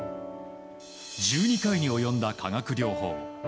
１２回に及んだ化学療法。